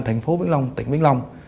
thành phố vĩnh long tỉnh vĩnh long